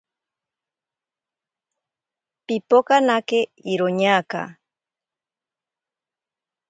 Pipokanake iroñaka.